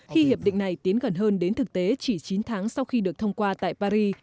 khi hiệp định này tiến gần hơn đến thực tế chỉ chín tháng sau khi được thông qua tại paris